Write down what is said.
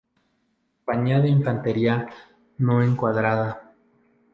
Compañía de Infantería No Encuadrada.